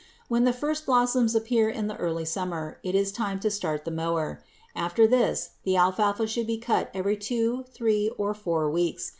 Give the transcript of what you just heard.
When the first blossoms appear in the early summer, it is time to start the mower. After this the alfalfa should be cut every two, three, or four weeks.